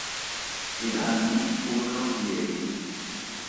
I danni furono lievi.